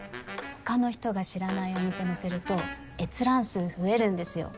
他の人が知らないお店載せると閲覧数増えるんですよ